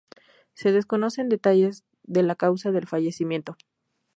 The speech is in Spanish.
Se desconocen detalles de la causa del fallecimiento.